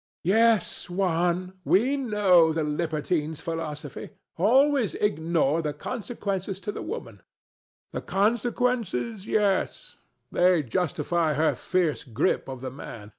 ANA. Yes, Juan: we know the libertine's philosophy. Always ignore the consequences to the woman. DON JUAN. The consequences, yes: they justify her fierce grip of the man.